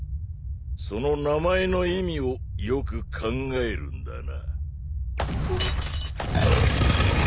その名前の意味をよく考えるんだな。